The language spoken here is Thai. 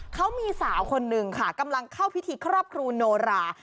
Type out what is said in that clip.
เขามีสาวคนนึงค่ะกำลังเข้าพิธีครอบครูโนรา